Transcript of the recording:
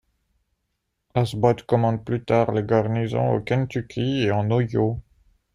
Asboth commande plus tard des garnisons au Kentucky et en Ohio.